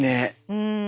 うん。